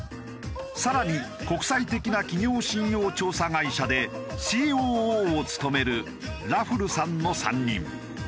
更に国際的な企業信用調査会社でＣＯＯを務めるラフルさんの３人。